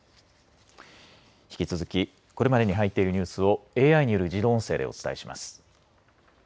引き続きこれまでに入っているニュースをＡＩによる自動音声でお伝えします。